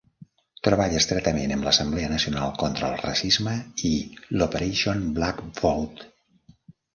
Treballa estretament amb l'Assemblea Nacional contra el Racisme i l'Operation Black Vote.